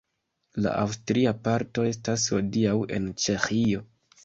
La aŭstria parto estas hodiaŭ en Ĉeĥio.